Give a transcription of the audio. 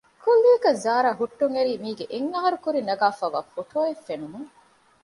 ކުއްލިއަކަށް ޒާރާ ހުއްޓުން އެރީ މީގެ އެއްހަރު ކުރިން ނަގާފައިވާ ފޮޓޯއެއް ފެނުމުން